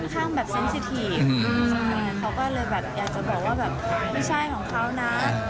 เขาค่อนข้างเซ็นสิทีฟอยากจะบอกว่าไม่ใช่ของเขานะ